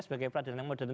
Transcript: sebagai peradilan modern